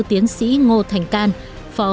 tiến sĩ ngô thành can phó